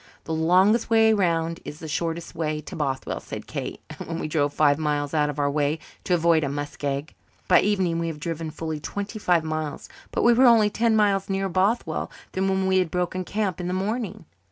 "'The longest way round is the shortest way to Bothwell,'" said Kate, when we drove five miles out of our way to avoid a muskeg. By evening we had driven fully twenty five miles, but we were only ten miles nearer Bothwell than when we had broken camp in the morning.